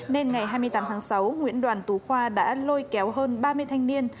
nên ngày hai mươi tám tháng sáu nguyễn đoàn tú khoa đã lôi kéo hơn ba mươi thanh niên